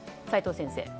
齋藤先生。